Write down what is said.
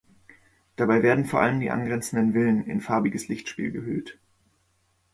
Dabei werden vor allem die angrenzenden Villen in farbiges Lichtspiel gehüllt.